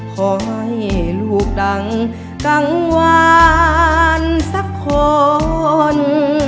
ขอให้ลูกดังกังวานสักคน